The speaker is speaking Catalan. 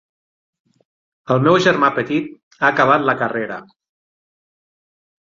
El meu germà petit ha acabat la carrera.